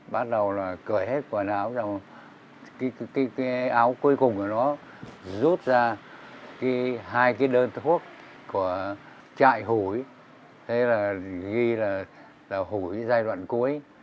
bắt đầu là cởi hết quần áo cái áo cuối cùng của nó rút ra hai cái đơn thuốc của trại hủy ghi là hủy giai đoạn cuối